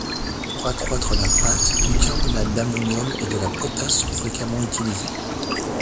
Pour accroître la pâte, du carbonate d'ammonium et de la potasse sont fréquemment utilisés.